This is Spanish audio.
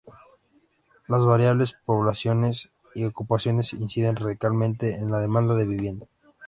Las variables poblacionales y ocupacionales inciden radicalmente en la demanda de vivienda.